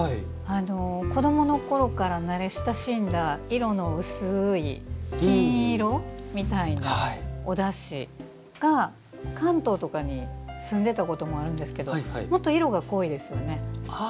子どものころから慣れ親しんだ色の薄い金色みたいなおだしが関東とかに住んでたこともあるんですけどもっと色が濃いですよね。